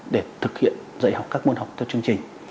để thực hiện dạy học các môn học theo chương trình